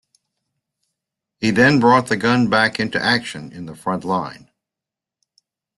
He then brought the gun back into action in the front line.